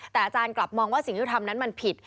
แต่อาจารย์กลับมองว่าสิ่งที่เราทำนั้นมันผิด